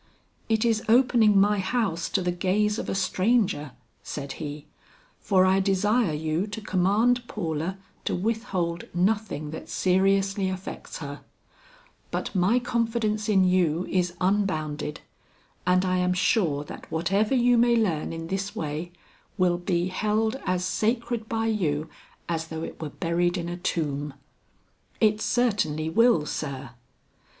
"It is opening my house to the gaze of a stranger," said he, "for I desire you to command Paula to withhold nothing that seriously affects her; but my confidence in you is unbounded and I am sure that whatever you may learn in this way, will be held as sacred by you as though it were buried in a tomb." "It certainly will, sir."